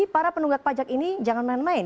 para penunggak pajak ini jangan main main